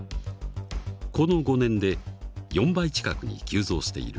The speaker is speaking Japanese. この５年で４倍近くに急増している。